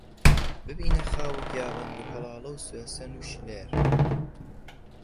ببینە خاو و گیابەند و هەڵاڵە و سوێسن و شللێر